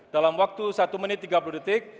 dalam waktu satu menit tiga puluh detik